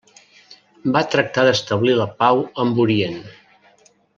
Va tractar d'establir la pau amb Orient.